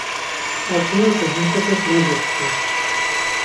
Altunepe hentepes mebuxvi.